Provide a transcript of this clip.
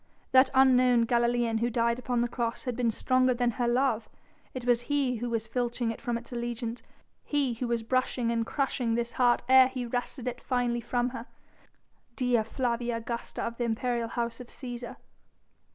That unknown Galilean who died upon the cross had been stronger than her love. It was he who was filching it from its allegiance, he who was brushing and crushing this heart ere he wrested it finally from her Dea Flavia Augusta of the imperial House of Cæsar!